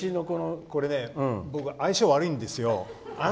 これね、僕相性が悪いんですよ。